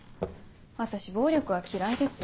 私暴力は嫌いです。